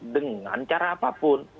dengan cara apapun